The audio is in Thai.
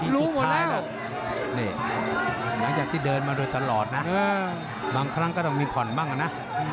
สุดท้ายแล้วนี่หลังจากที่เดินมาโดยตลอดนะบางครั้งก็ต้องมีผ่อนบ้างนะ